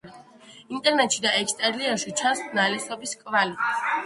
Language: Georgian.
ინტერიერში და ექსტერიერში ჩანს ნალესობის კვალი.